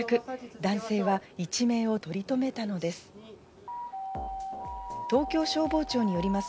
男性は一命を取り留めたのです。